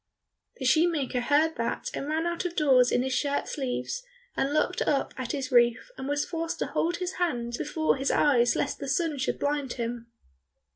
The shoemaker heard that and ran out of doors in his shirt sleeves, and looked up at his roof, and was forced to hold his hand before his eyes lest the sun should blind him.